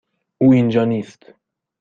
او اینجا نیست.